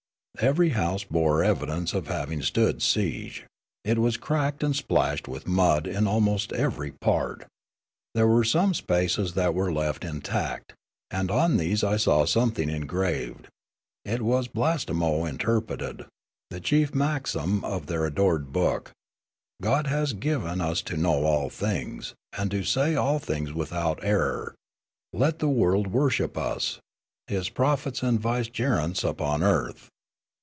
Every house bore evidence of having stood siege : it was cracked and splashed with mud in almost Meskeeta 3^9 every part ; there were some spaces that were left in tact, and on these I saw something engraved ; it was, Blastemo interpreted, the chief maxim of their adored book :' God has given us to know all things, and to say all things without error ; let the world worship us, His prophets and vicegerents upon earth.'